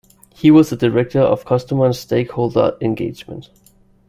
He was the Director of Customer and Stakeholder Engagement.